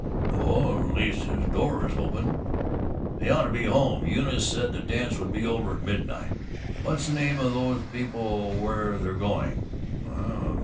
"No at least his door is open " "They ought to be home. Eunice said the dance would be over at midnight. What's the name of those people where they're going?"